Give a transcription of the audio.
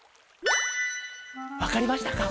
わかりましたか？